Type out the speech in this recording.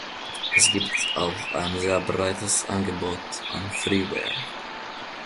Es gibt auch ein sehr breites Angebot an Freeware.